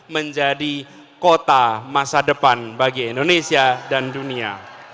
menjadi kota masa depan bagi indonesia dan dunia